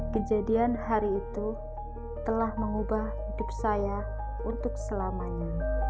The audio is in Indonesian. kejadian hari itu telah mengubah hidup saya untuk selamanya